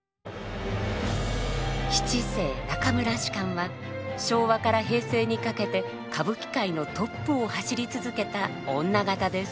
七世中村芝は昭和から平成にかけて歌舞伎界のトップを走り続けた女方です。